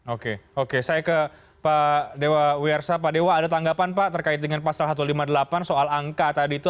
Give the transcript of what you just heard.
oke oke saya ke pak dewa wiersa pak dewa ada tanggapan pak terkait dengan pasal satu ratus lima puluh delapan soal angka tadi itu